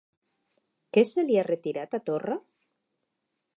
Què se li ha retirat a Torra?